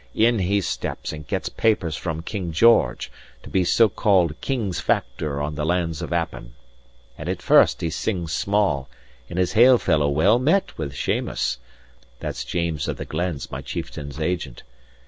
In he steps, and gets papers from King George, to be so called King's factor on the lands of Appin. And at first he sings small, and is hail fellow well met with Sheamus that's James of the Glens, my chieftain's agent.